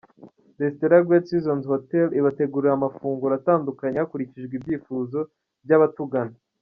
Restaurant ya Great Seasons Hotel ibategurira amafunguro atandukanye hakurikijwe ibyifuzo by’abatugana.